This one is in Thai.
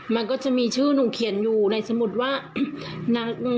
มันก็จะมีชื่อหนูเขียนอยู่ในสมุดว่านาง